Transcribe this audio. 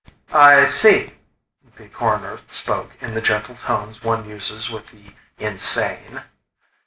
"I see." The Coroner spoke in the gentle tones one uses with the insane.